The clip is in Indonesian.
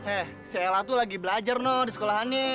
eh se ela tuh lagi belajar noh di sekolahannya